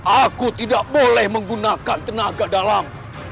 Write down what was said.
aku tidak boleh menggunakan tenaga dalam